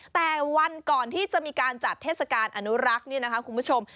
แต่วันก่อนที่จะมีการจัดเทศกาลอนุรักษ์นี่นะคะคุณผู้ชม